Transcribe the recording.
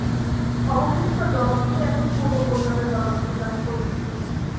অবশিষ্ট জলাভূমি এখন পূর্ব কলকাতা জলাভূমি নামে পরিচিত।